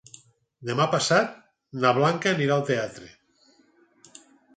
Demà passat na Blanca anirà al teatre.